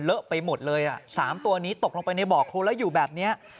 ไปหมดเลยอ่ะ๓ตัวนี้ตกลงไปในบ่อโครนแล้วอยู่แบบนี้